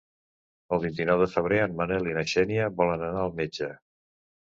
El vint-i-nou de febrer en Manel i na Xènia volen anar al metge.